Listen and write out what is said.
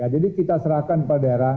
jadi kita serahkan kepada daerah